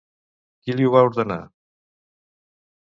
Qui li ho va ordenar?